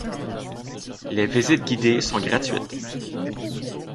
Les visites guidées sont gratuites.